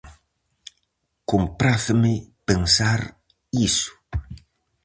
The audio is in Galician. Compráceme pensar iso.